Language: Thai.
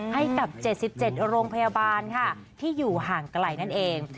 ให้กับเจ็ดสิบเจ็ดโรงพยาบาลค่ะที่อยู่ห่างไกลนั่นเอง